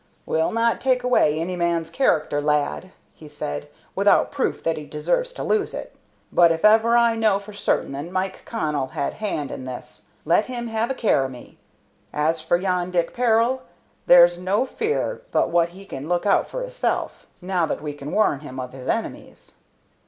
"We'll not take away any man's character, lad," he said, "without proof that he deserves to lose it. But if ever I know for certain that Mike Connell had hand in this, lat him have a care o' me. As for yon Dick Peril, there's no fear but what he can look out for hissel', now that we can warn him of his enemies."